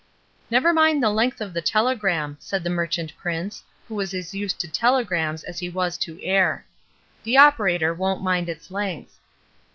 ''Never mind the length of the telegram," said the merchant prince, who was as used to telegrams as he was to air. ''The operator won't mind its length."